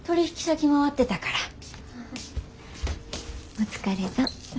お疲れさん。